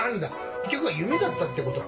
結局は夢だったってことか。